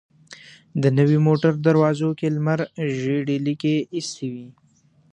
د نوې موټر دروازو کې لمر ژېړې ليکې ايستې وې.